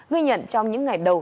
ghi nhận trong những ngày đầu